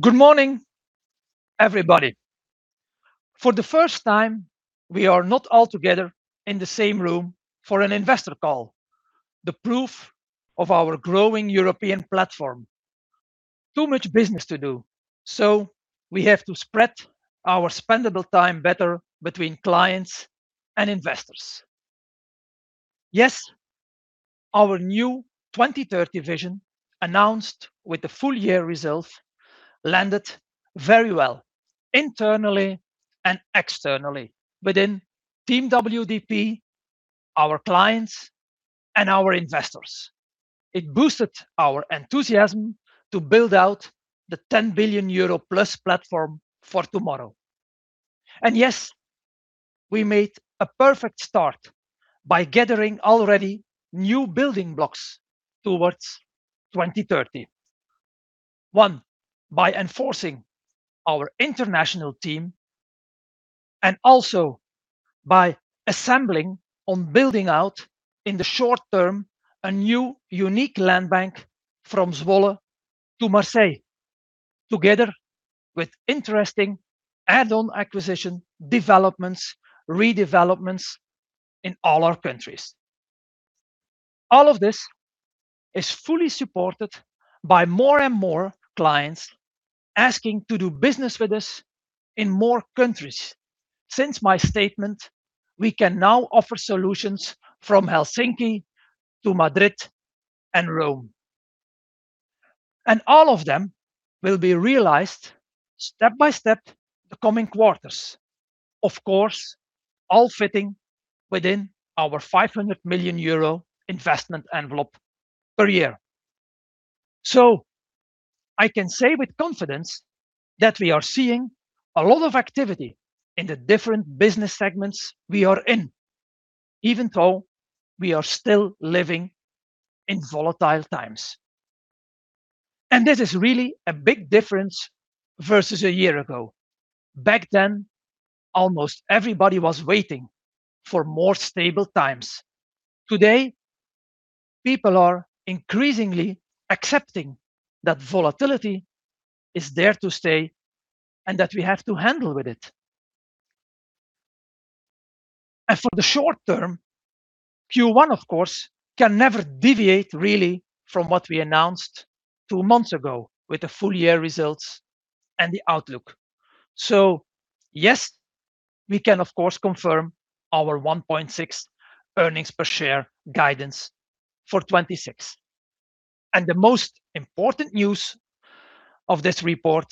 Good morning, everybody. For the first time, we are not all together in the same room for an Investor call, the proof of our growing European platform. Too much business to do, so we have to spread our spendable time better between clients and investors. Yes, our new 2030 vision, announced with the full-year results, landed very well internally and externally within team WDP, our clients, and our investors. It boosted our enthusiasm to build out the 10 billion euro+ platform for tomorrow. Yes, we made a perfect start by gathering already new building blocks towards 2030. One, by enforcing our international team and also by assembling on building out, in the short term, a new unique land bank from Zwolle to Marseille, together with interesting add-on acquisition developments, redevelopments in all our countries. All of this is fully supported by more and more clients asking to do business with us in more countries. Since my statement, we can now offer solutions from Helsinki to Madrid and Rome. All of them will be realized step-by-step the coming quarters. Of course, all fitting within our 500 million euro investment envelope per year. I can say with confidence that we are seeing a lot of activity in the different business segments we are in, even though we are still living in volatile times. This is really a big difference versus a year ago. Back then, almost everybody was waiting for more stable times. Today, people are increasingly accepting that volatility is there to stay and that we have to handle with it. For the short term, Q1, of course, can never deviate really from what we announced two months ago with the full year results and the outlook. Yes, we can of course confirm our 1.6 earnings per share guidance for 2026. The most important news of this report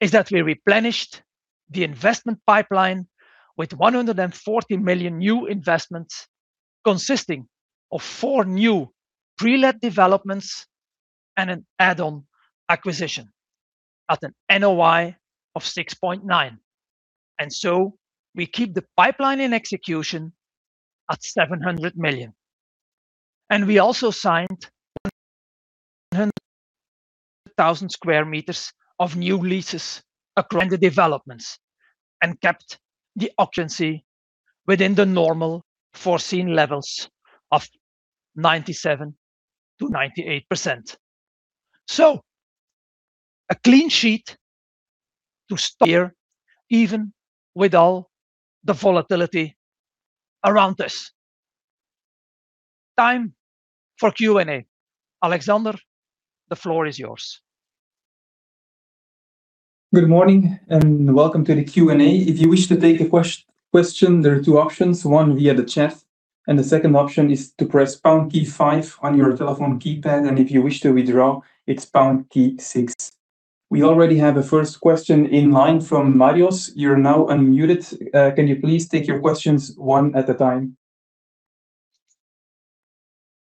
is that we replenished the investment pipeline with 140 million new investments, consisting of four new pre-let developments and an add-on acquisition at an NOI of 6.9%. We keep the pipeline in execution at 700 million. We also signed 100,000 sq m of new leases across the developments and kept the occupancy within the normal foreseen levels of 97%-98%. A clean sheet to steer even with all the volatility around us. Time for Q&A. Alexander, the floor is yours. Good morning and welcome to the Q&A. If you wish to take a question, there are two options. One via the chat, and the second option is to press pound key five on your telephone keypad, and if you wish to withdraw, it's pound key six. We already have a first question in line from Marios. You're now unmuted. Can you please take your questions one at a time?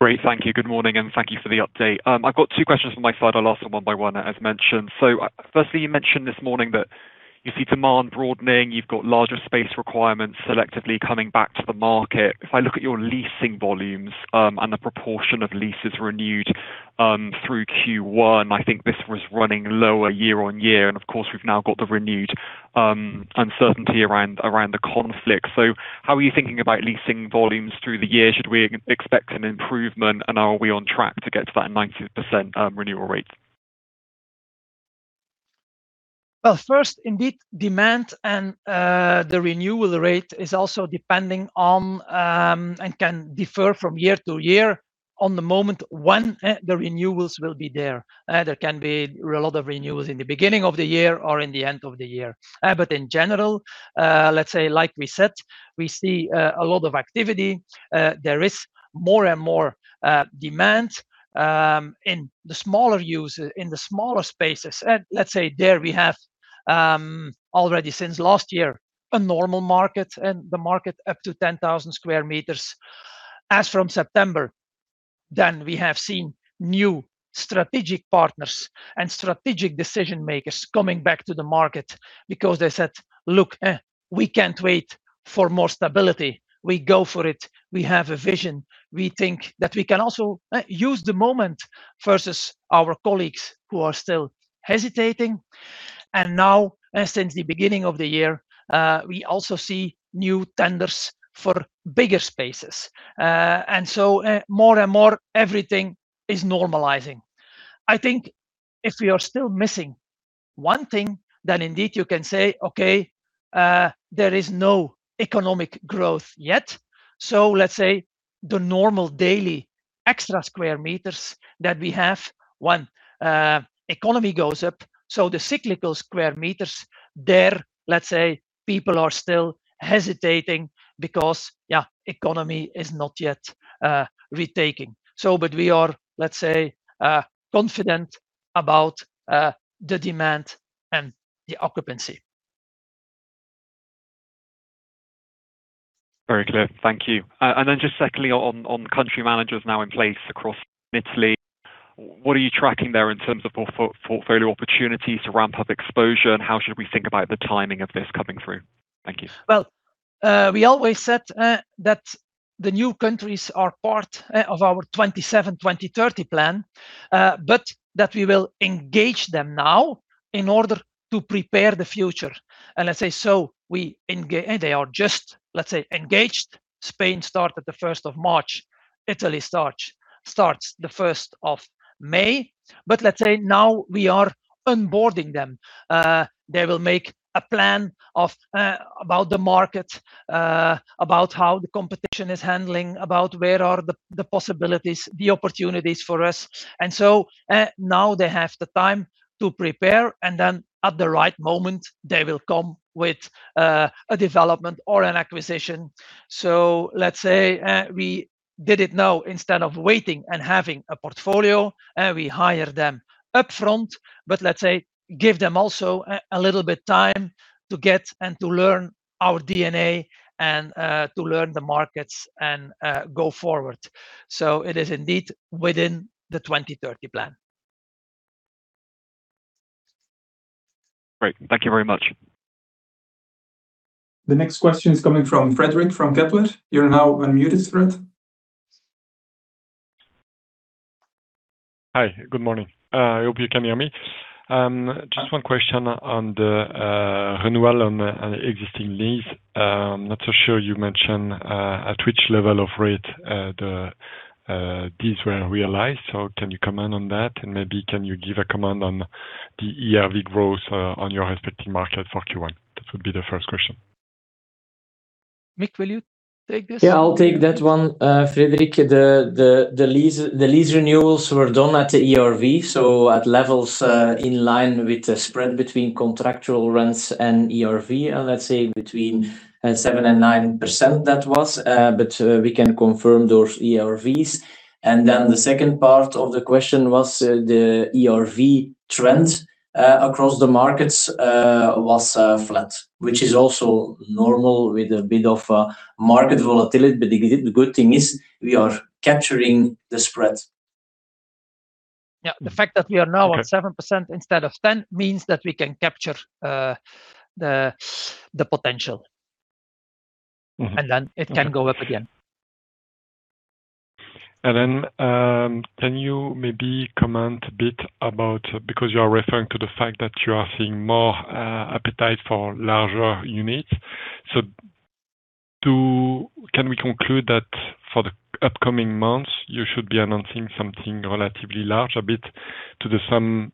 Great. Thank you. Good morning, and thank you for the update. I've got two questions on my side. I'll ask them one by one as mentioned. Firstly, you mentioned this morning that you see demand broadening. You've got larger space requirements, selectively coming back to the market. If I look at your leasing volumes and the proportion of leases renewed, through Q1, I think this was running lower year-over-year, and of course, we've now got the renewed uncertainty around the conflict. How are you thinking about leasing volumes through the year? Should we expect an improvement, and are we on track to get to that 90% renewal rate? Well, first, indeed, demand and the renewal rate is also depending on, and can differ from year to year, on the moment when the renewals will be there. There can be a lot of renewals in the beginning of the year or in the end of the year. In general, let's say like we said, we see a lot of activity. There is more and more demand in the smaller spaces. Let's say there we have already since last year, a normal market and the market up to 10,000 sq m. As from September, then we have seen new strategic partners and strategic decision-makers coming back to the market because they said, "Look, we can't wait for more stability. We go for it. We have a vision. We think that we can also use the moment versus our colleagues who are still hesitating. Now, and since the beginning of the year, we also see new tenders for bigger spaces. More and more, everything is normalizing. I think if we are still missing one thing, then indeed you can say, okay, there is no economic growth yet. Let's say the normal daily extra square meters that we have when economy goes up. The cyclical square meters there, let's say, people are still hesitating because economy is not yet retaking. We are confident about the demand and the occupancy. Very clear. Thank you. Just secondly, on country managers now in place across Italy, what are you tracking there in terms of portfolio opportunities to ramp up exposure, and how should we think about the timing of this coming through? Thank you. Well, we always said that the new countries are part of our 2027, 2030 plan, but that we will engage them now in order to prepare the future. They are just engaged. Spain started the 1st of March. Italy starts the 1st of May. Let's say now we are onboarding them. They will make a plan about the market, about how the competition is handling, about where are the possibilities, the opportunities for us. Now they have the time to prepare, and then at the right moment, they will come with a development or an acquisition. Let's say we did it now instead of waiting and having a portfolio. We hire them upfront, but give them also a little bit time to get and to learn our DNA and to learn the markets and go forward. It is indeed within the 2030 plan. Great. Thank you very much. The next question is coming from Frederic Renard from Kepler. You're now unmuted, Fred. Hi. Good morning. I hope you can hear me. Just one question on the renewal on existing lease. I'm not so sure you mentioned at which level of rate these were realized. Can you comment on that, and maybe can you give a comment on the ERV growth on your respective market for Q1? That would be the first question. Mick, will you take this? Yeah, I'll take that one, Frederic. The lease renewals were done at the ERV, so at levels in line with the spread between contractual rents and ERV. Let's say between 7% and 9%, that was but we can confirm those ERVs. Then the second part of the question was the ERV trend across the markets was flat, which is also normal with a bit of market volatility. The good thing is we are capturing the spread. Yeah. The fact that we are now on 7% instead of 10% means that we can capture the potential. Mm-hmm. It can go up again. Can you maybe comment a bit about it, because you are referring to the fact that you are seeing more appetite for larger units? Can we conclude that for the upcoming months, you should be announcing something relatively large, a bit to the same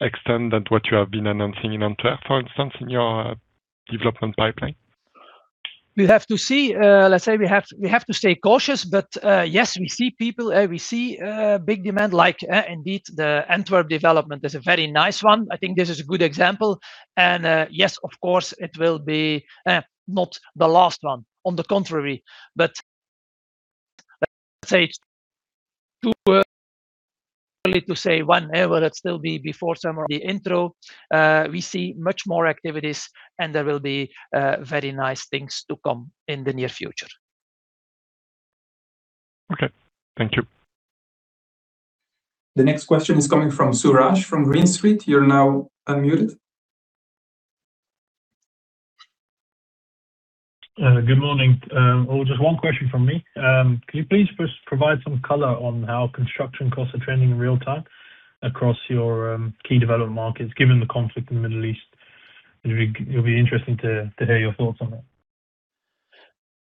extent as what you have been announcing in Antwerp, for instance, in your development pipeline? We have to see. We have to stay cautious. Yes, we see people, we see big demand like indeed the Antwerp development is a very nice one. I think this is a good example. Yes, of course it will not be the last one, on the contrary. Let's say too early to say when. It's still to be before summer. Interest. We see much more activity, and there will be very nice things to come in the near future. Okay. Thank you. The next question is coming from Suraj Goyal from Green Street. You're now unmuted. Good morning. Just one question from me. Can you please provide some color on how construction costs are trending in real time across your key development markets, given the conflict in the Middle East? It'll be interesting to hear your thoughts on that.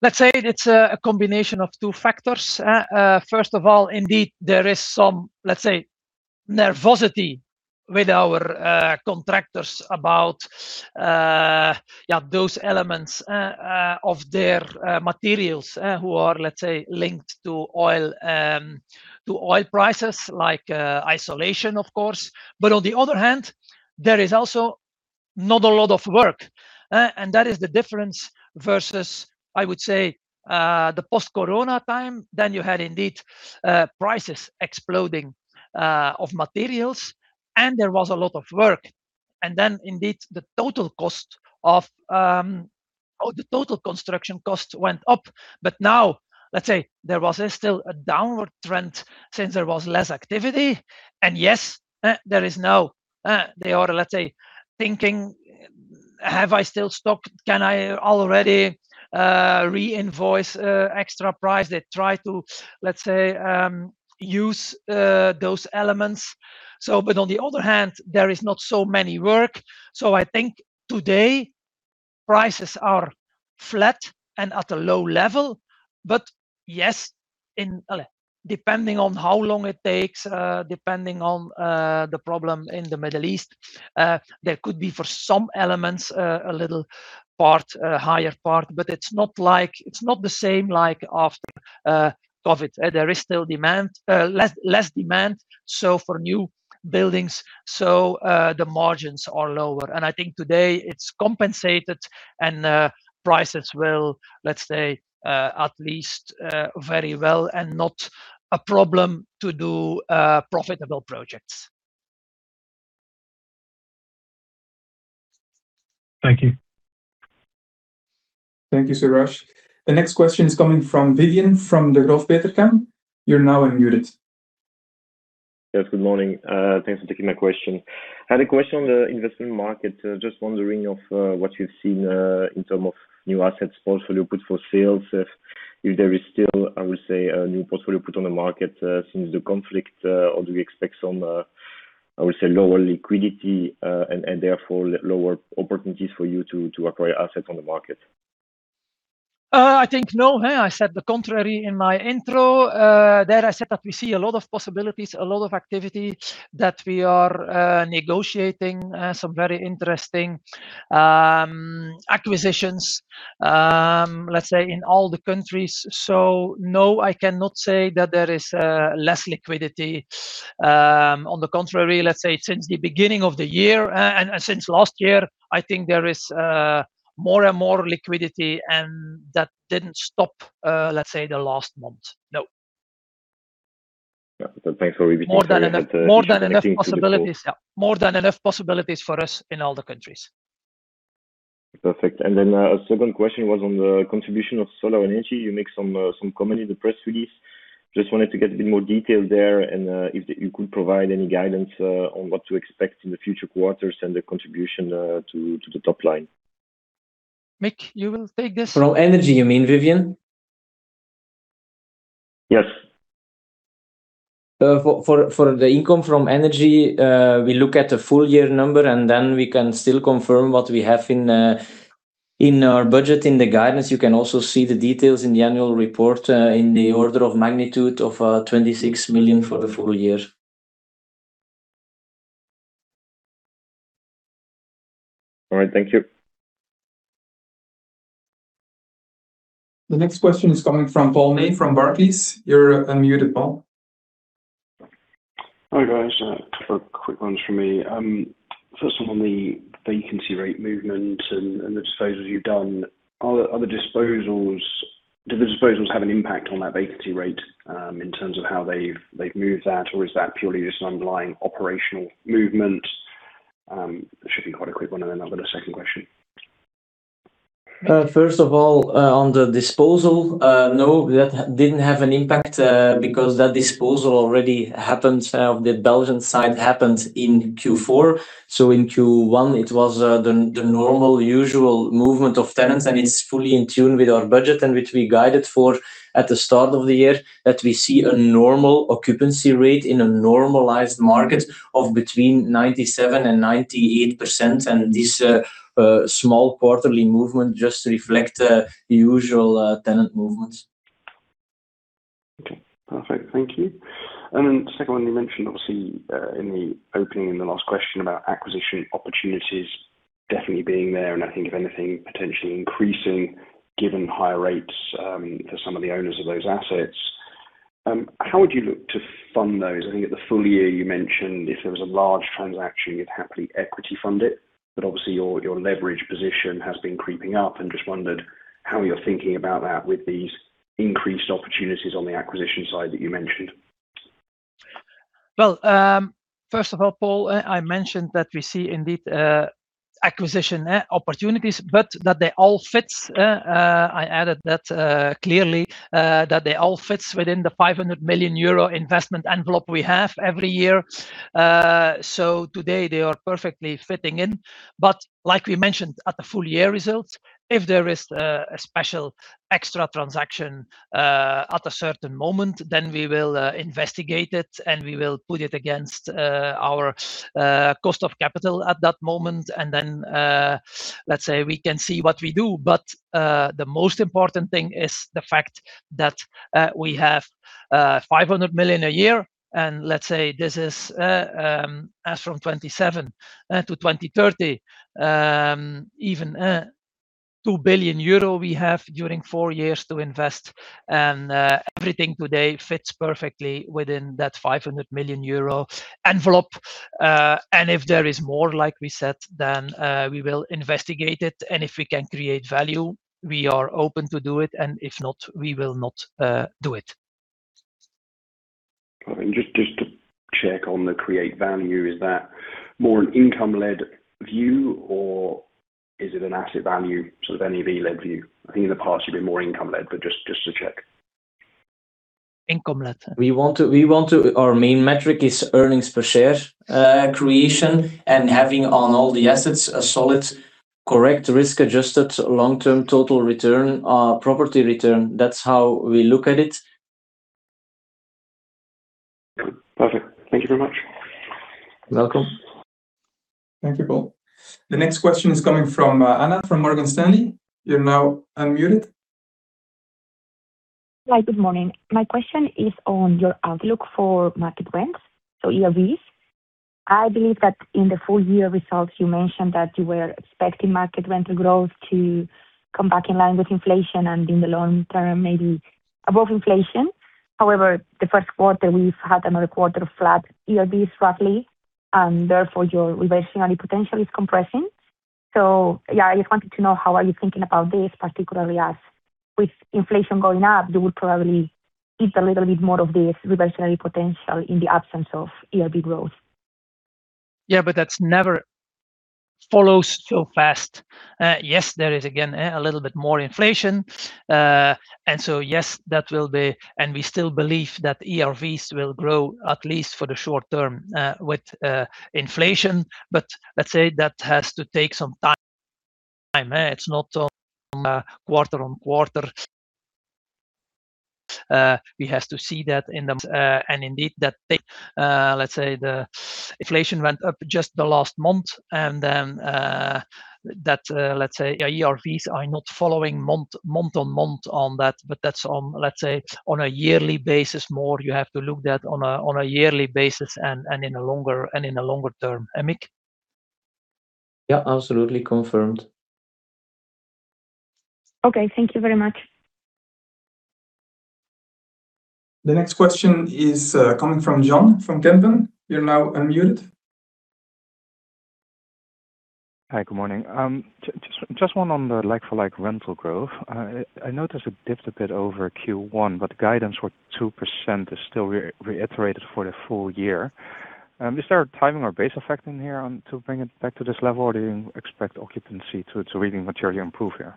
Let's say it's a combination of two factors. First of all, indeed, there is some nervousness with our contractors about those elements of their materials who are linked to oil prices, like insulation, of course. On the other hand, there is also not a lot of work. That is the difference versus, I would say, the post-corona time. You had indeed prices exploding of materials, and there was a lot of work. Indeed, the total construction cost went up. Now, there was still a downward trend since there was less activity. Yes, there is now. They are thinking, Have I still stock? Can I already reinvoice extra price? They try to, let's say, use those elements. On the other hand, there is not so many work. I think today prices are flat and at a low level. Yes, depending on how long it takes, depending on the problem in the Middle East, there could be, for some elements, a little higher part, but it's not the same like after COVID. There is still less demand. For new buildings, the margins are lower. I think today it's compensated and prices will, let's say, at least very well and not a problem to do profitable projects. Thank you. Thank you, Suraj. The next question is coming from Vivien Maquet from Degroof Petercam. You're now unmuted. Yes. Good morning. Thanks for taking my question. I had a question on the investment market. Just wondering what you've seen in terms of new asset portfolios put for sale. If there is still, I would say, a new portfolio put on the market since the conflict, or do we expect some, I would say, lower liquidity, and therefore lower opportunities for you to acquire assets on the market? I think no. I said the contrary in my intro. There, I said that we see a lot of possibilities, a lot of activity, that we are negotiating some very interesting acquisitions, let's say in all the countries. No, I cannot say that there is less liquidity. On the contrary, let's say since the beginning of the year and since last year, I think there is more and more liquidity, and that didn't stop, let's say, the last month. No. Yeah. Thanks for repeating. More than enough possibilities. Yeah. More than enough possibilities for us in all the countries. Perfect. A second question was on the contribution of solar energy. You make some comment in the press release. Just wanted to get a bit more detail there, and if you could provide any guidance on what to expect in the future quarters and the contribution to the top line. Mick, you will take this? From energy, you mean, Vivien? Yes. For the income from energy, we look at the full-year number, and then we can still confirm what we have in our budget. In the guidance, you can also see the details in the annual report in the order of magnitude of 26 million for the full year. All right. Thank you. The next question is coming from Paul May from Barclays. You're unmuted, Paul. Hi, guys. A couple of quick ones from me. First one on the vacancy rate movement and the disposals you've done. Do the disposals have an impact on that vacancy rate in terms of how they've moved that, or is that purely just an underlying operational movement? That should be quite a quick one. I've got a second question. First of all, on the disposal, no, that didn't have an impact because that disposal already happened. The Belgian side happened in Q4. In Q1, it was the normal, usual movement of tenants, and it's fully in tune with our budget and which we guided for at the start of the year, that we see a normal occupancy rate in a normalized market of between 97% and 98%. This small quarterly movement just reflects the usual tenant movements. Okay, perfect. Thank you. Second one, you mentioned, obviously, in the opening and the last question about acquisition opportunities definitely being there, and I think if anything, potentially increasing given higher rates for some of the owners of those assets. How would you look to fund those? I think at the full year, you mentioned if there was a large transaction, you'd happily equity fund it, but obviously, your leverage position has been creeping up and just wondered how you're thinking about that with these increased opportunities on the acquisition side that you mentioned. Well, first of all, Paul, I mentioned that we see indeed acquisition opportunities, but that they all fit. I added that clearly, that they all fit within the 500 million euro investment envelope we have every year. Today, they are perfectly fitting in. Like we mentioned at the full-year results, if there is a special extra transaction at a certain moment, then we will investigate it, and we will put it against our cost of capital at that moment. Then, let's say we can see what we do. The most important thing is the fact that we have 500 million a year, and let's say this is as from 2027-2030. Even 2 billion euro we have during four years to invest. Everything today fits perfectly within that 500 million euro envelope. If there is more, like we said, then we will investigate it. If we can create value, we are open to do it, and if not, we will not do it. Perfect. Just to check on the created value, is that more an income-led view or is it an asset value, sort of NAV-led view? I think in the past, you've been more income-led, but just to check. Income-led. Our main metric is earnings per share creation and having on all the assets a solid, correct risk-adjusted long-term total return, property return. That's how we look at it. Perfect. Thank you very much. You're welcome. Thank you, Paul. The next question is coming from Anna from Morgan Stanley. You're now unmuted Hi. Good morning. My question is on your outlook for market rents, so ERVs. I believe that in the full-year results, you mentioned that you were expecting market rental growth to come back in line with inflation and in the long term, maybe above inflation. However, the first quarter, we've had another quarter of flat ERVs, roughly, and therefore, your reversionary potential is compressing. Yeah, I just wanted to know how are you thinking about this, particularly as with inflation going up, you would probably eat a little bit more of this reversionary potential in the absence of ERV growth. Yeah, but that's never followed so fast. Yes, there is again a little bit more inflation. Yes, that will be. We still believe that ERVs will grow at least for the short term with inflation. Let's say that has to take some time. It's not quarter-on-quarter. We have to see that in the. Indeed, that takes. Let's say the inflation went up just the last month, and then that. Let's say ERVs are not following month-on-month on that, but that's on a yearly basis more. You have to look at that on a yearly basis and in a longer term. Mick? Yeah, absolutely confirmed. Okay. Thank you very much. The next question is coming from John Vuong from Kempen. You're now unmuted. Hi. Good morning. Just one on the like-for-like rental growth. I noticed it dipped a bit over Q1, but guidance for 2% is still reiterated for the full year. Is there a timing or base effect in here or to bring it back to this level, or do you expect occupancy to really materially improve here?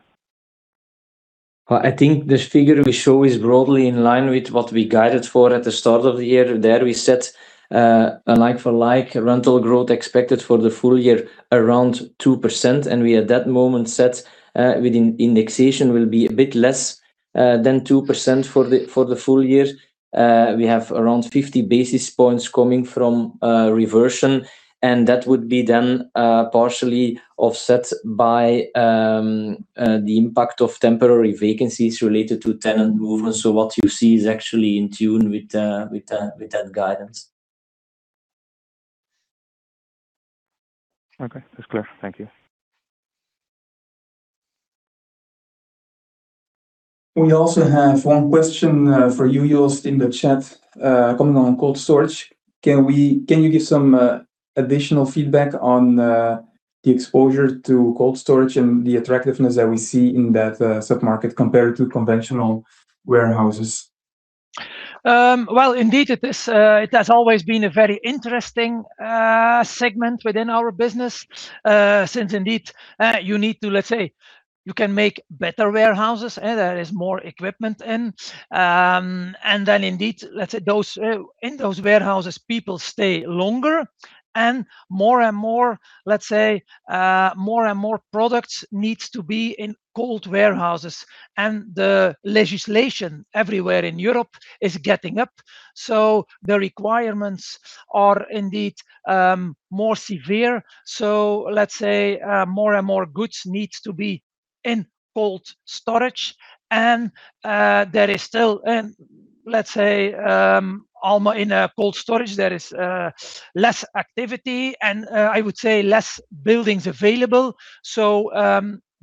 Well, I think this figure we show is broadly in line with what we guided for at the start of the year. There we set a like-for-like rental growth expected for the full year around 2%, and we at that moment set within indexation will be a bit less than 2% for the full year. We have around 50 basis points coming from reversion, and that would be then partially offset by the impact of temporary vacancies related to tenant movement. What you see is actually in tune with that guidance. Okay, that's clear. Thank you. We also have one question for you, Joost, in the chat, coming on cold storage. Can you give some additional feedback on the exposure to cold storage and the attractiveness that we see in that sub-market compared to conventional warehouses? Well, indeed, it has always been a very interesting segment within our business, since indeed, you need to, let's say, you can make better warehouses. There is more equipment in. Then indeed, let's say in those warehouses, people stay longer and more and more, let's say, more and more products needs to be in cold warehouses, and the legislation everywhere in Europe is getting stricter. The requirements are indeed more severe. Let's say more and more goods needs to be in cold storage. There is still, let's say, in a cold storage, there is less activity, and I would say less buildings available.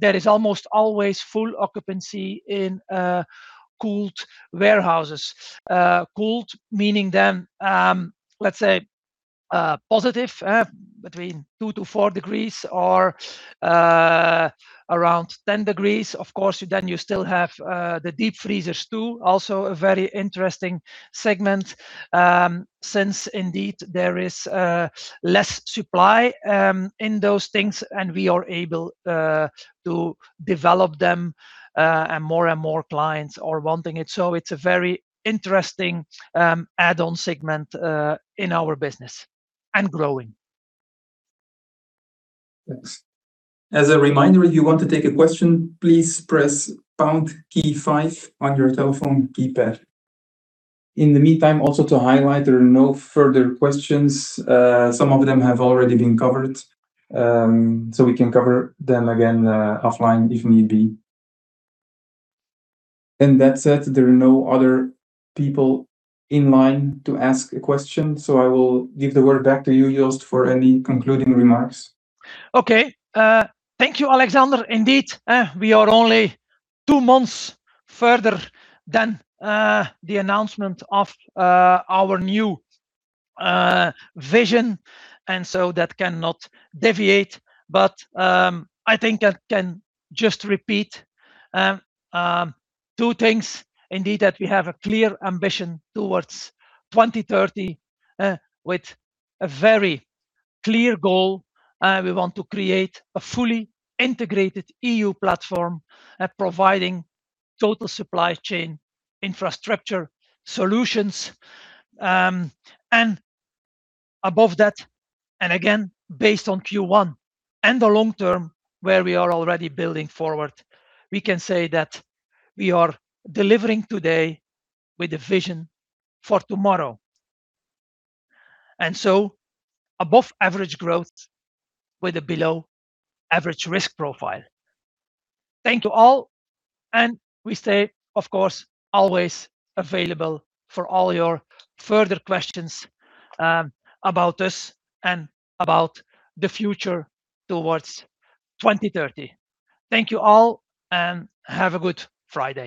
There is almost always full occupancy in cooled warehouses. Cooled, meaning then, let's say, positive between two to four degrees or around 10 degrees. Of course, then you still have the deep freezers too. Also, a very interesting segment, since indeed there is less supply in those things, and we are able to develop them, and more and more clients are wanting it. It's a very interesting add-on segment in our business and growing. Thanks. As a reminder, if you want to take a question, please press pound key five on your telephone keypad. In the meantime, also to highlight, there are no further questions. Some of them have already been covered, so we can cover them again offline if need be. That said, there are no other people in line to ask a question, so I will give the word back to you, Joost, for any concluding remarks. Okay. Thank you, Alexander. Indeed, we are only two months further than the announcement of our new vision, and so that cannot deviate. I think I can just repeat two things indeed, that we have a clear ambition towards 2030 with a very clear goal. We want to create a fully integrated EU platform providing total supply chain infrastructure solutions. Above that, and again, based on Q1 and the long term where we are already building forward, we can say that we are delivering today with a vision for tomorrow. Above average growth with a below average risk profile. Thank you all, and we stay, of course, always available for all your further questions about this and about the future towards 2030. Thank you all, and have a good Friday.